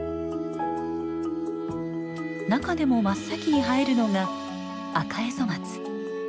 中でも真っ先に生えるのがアカエゾマツ。